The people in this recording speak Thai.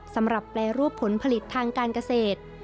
สำหรับแปรรูปผลผลิตทางการเกษตร